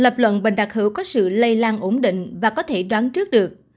lập luận bệnh đặc hữu có sự lây lan ổn định và có thể đoán trước được